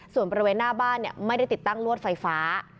ส่วนบริเวณหน้าบ้านไม่ได้ติดตั้งลวดไฟฟ้า